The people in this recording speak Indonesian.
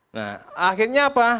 nah akhirnya apa